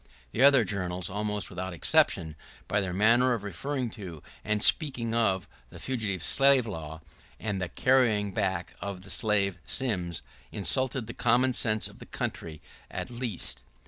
The other journals, almost without exception, by their manner of referring to and speaking of the Fugitive Slave Law, and the carrying back of the slave Sims, insulted the common sense of the country, at least.